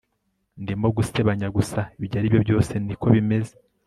Ndimo gusebanya gusa ibyo aribyo byose nikobimeze